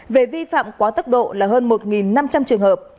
về vi phạm quá tốc độ là hơn một năm trăm linh trường hợp